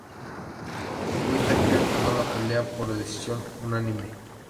Whittaker ganó la pelea por decisión unánime.